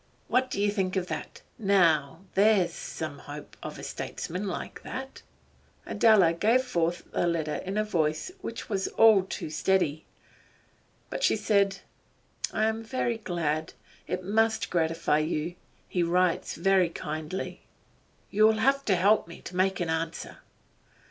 What do you think of that? Now there's some hope of a statesman like that!' Adela gave forth the letter in a voice which was all too steady. 7 But she said: 'I am very glad. It must gratify you. He writes very kindly.' 'You'll have to help me to make an answer.